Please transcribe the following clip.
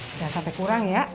jangan sampai kurang ya